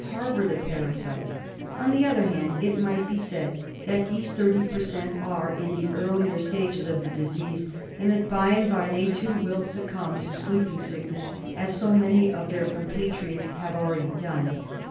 harbour the parasite. On the other hand, it might be said that these thirty per cent, are in the earlier stages of the disease, and that by and bye they too will succumb to Sleeping Sickness as so many of their compatriots have already done.